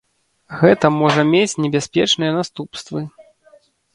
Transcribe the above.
Гэта можа мець небяспечныя наступствы.